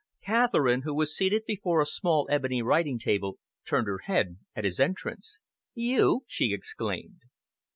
Catherine, who was seated before a small, ebony writing table, turned her head at his entrance. "You?" she exclaimed.